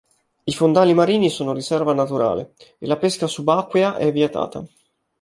I fondali marini sono riserva naturale e la pesca subacquea è vietata.